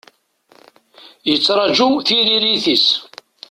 Yettraju tiririt-is.